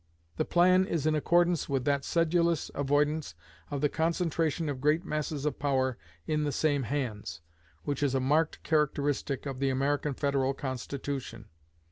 The plan is in accordance with that sedulous avoidance of the concentration of great masses of power in the same hands, which is a marked characteristic of the American federal Constitution.